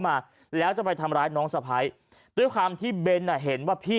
มาแล้วจะไปทำร้ายน้องสะพ้ายด้วยความที่เบนอ่ะเห็นว่าพี่